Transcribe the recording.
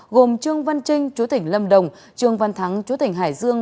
gồm trương văn trinh chúa tỉnh lâm đồng trương văn thắng chúa tỉnh hải dương